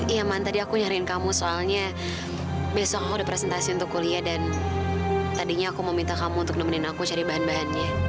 iya man tadi aku nyariin kamu soalnya besok aku representasi untuk kuliah dan tadinya aku meminta kamu untuk nemenin aku cari bahan bahannya